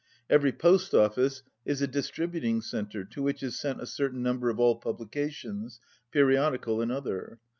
Every post ofBce is a distributing centre to which is sent a certain number of all publications, periodical and other.